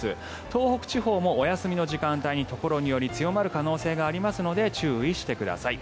東北地方もお休みの時間帯にところにより強まる可能性がありますので注意してください。